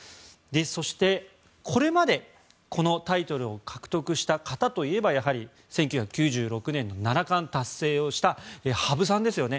そして、これまでこのタイトルを獲得した方といえばやはり１９９６年の七冠達成をした羽生さんですよね。